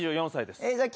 ２４歳です。